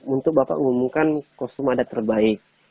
untuk bapak ngumumkan kostum adat terbaik